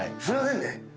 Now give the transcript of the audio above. すいませんね。